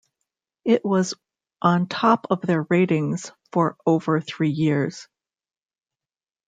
It was on top of their ratings for over three years.